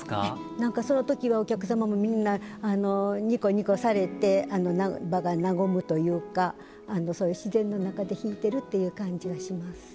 何かその時はお客様もみんなニコニコされて場が和むというかそういう自然の中で弾いてるっていう感じがします。